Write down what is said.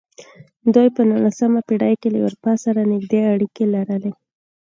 دوی په نولسمه پېړۍ کې له اروپا سره نږدې اړیکې لرلې.